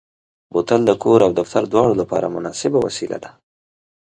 بوتل د کور او دفتر دواړو لپاره مناسبه وسیله ده.